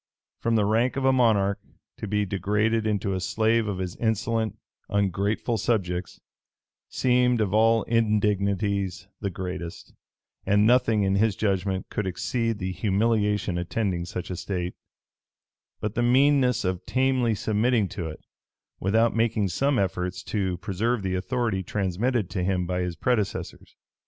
From the rank of a monarch, to be degraded into a slave of his insolent, ungrateful subjects, seemed of all indignities the greatest; and nothing, in his judgment, could exceed the humiliation attending such a state, but the meanness of tamely submitting to it, without making some efforts to preserve the authority transmitted to him by his predecessors.